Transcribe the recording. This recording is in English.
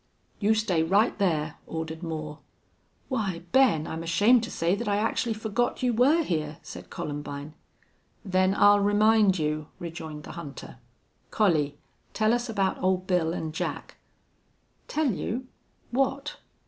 "You stay right there," ordered Moore. "Why, Ben, I'm ashamed to say that I actually forgot you were here," said Columbine. "Then I'll remind you," rejoined the hunter. "Collie, tell us about Old Bill an' Jack." "Tell you? What?"